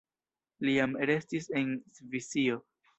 Li jam restis en Svisio.